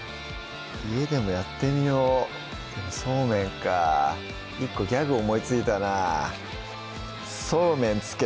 家でもやってみようそうめんか１個ギャグ思いついたなＯＫ！